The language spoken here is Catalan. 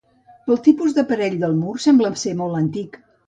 Pel tipus d'aparell del mur sembla ser molt antic.